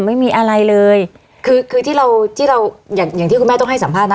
ไม่มีอะไรเลยคือคือที่เราที่เราอย่างอย่างที่คุณแม่ต้องให้สัมภาษณ์